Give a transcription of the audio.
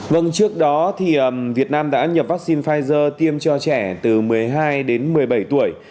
vâng trước đó thì việt nam đã nhập vaccine pfizer tiêm cho trẻ từ một mươi hai đến một mươi bảy tuổi